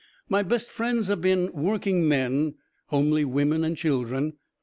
My best friends have been workingmen, homely women and children.